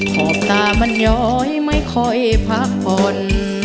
ขอบตามันย้อยไม่ค่อยพักผ่อน